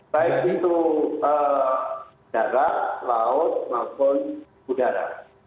baik itu darat laut maupun udara